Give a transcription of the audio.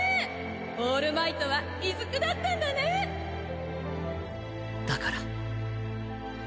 オールマイトは出久だったんだねだから。